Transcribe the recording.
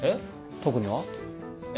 特にはえっ